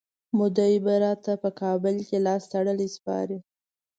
مودي به راته په کابل کي لاستړلی سپارئ.